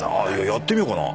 やってみようかな